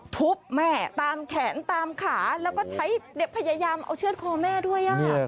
ทุบแม่ตามแขนตามขาแล้วก็ใช้เด็กพยายามเอาเชื่อดคอแม่ด้วย